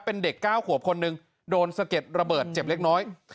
เป็นเด็ก๙ขวบคนหนึ่งโดนสะเก็ดระเบิดเจ็บเล็กน้อย